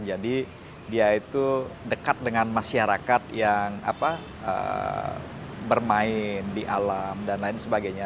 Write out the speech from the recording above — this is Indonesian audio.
jadi dia itu dekat dengan masyarakat yang bermain di alam dan lain sebagainya